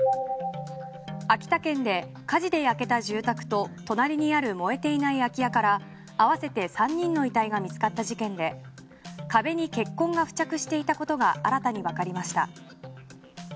秋田県で火事で焼けた住宅と隣にある燃えていない空き家から合わせて３人の遺体が見つかった事件で壁に血痕が付着していたことが新たにわかりました。